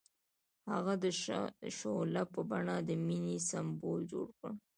هغه د شعله په بڼه د مینې سمبول جوړ کړ.